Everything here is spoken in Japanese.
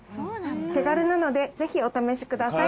手軽なのでぜひお試しください。